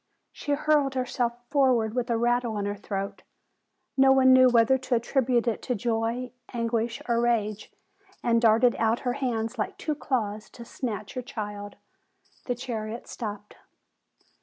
She hurled herself for ward with a rattle in her throat, no one knew whether to attribute it to joy, anguish, or rage, and darted out her hands like two claws to snatch her child. The chariot stopped.